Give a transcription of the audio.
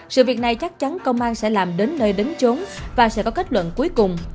sự việc này chắc chắn công an sẽ làm đến nơi đến trốn và sẽ có kết luận cuối cùng